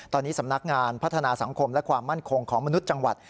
ตอนนี้สำนักงานพัฒนาสังคมและความมั่นคงของมนุษย์จังหวัด